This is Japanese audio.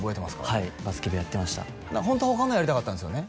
はいバスケ部やってましたホントは他のやりたかったんですよね？